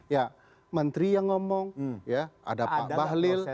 ya menteri yang ngomong ya ada pak bahlil